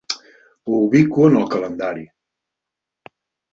Ho ubico en el calendari.